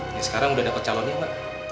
sekarang udah dapet calonnya pak